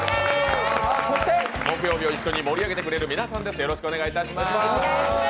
そして、木曜日を一緒に盛り上げてくれる皆さんです。